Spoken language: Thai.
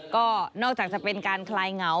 ก็นอกจากจะเป็นการคลายเหงา